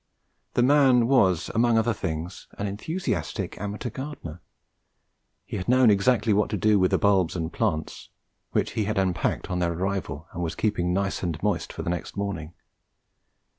The man was, among other things, an enthusiastic amateur gardener; he had known exactly what to do with the bulbs and plants, which he had unpacked on their arrival and was keeping nice and moist for next morning.